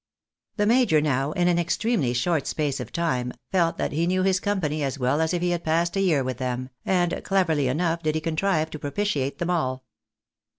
The major now, in an extremely short space of time, felt that he knew his company as well as if he had passed a year with them, and cleverly enough did he contrive to propitiate them all.